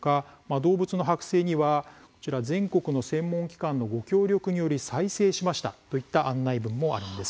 動物の剥製には全国の専門機関のご協力により再生しましたといった案内文もあるんです。